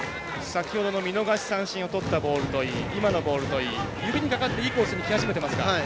先ほどの見逃し三振をとったボールといい今のボールといいいいコースにき始めてますか。